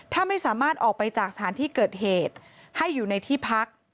ถ้าไม่สามารถออกไปจากสถานที่เกิดเหตุให้อยู่ในที่พัก